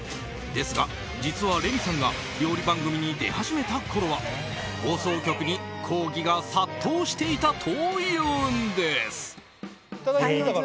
ですが、実はレミさんが料理番組に出始めたころは放送局に抗議が殺到していたというんです。